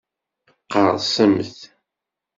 Qerrsemt!